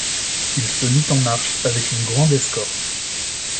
Il se mit en marche avec une grande escorte.